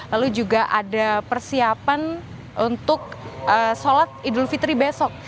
lalu juga ada persiapan untuk sholat idul fitri besok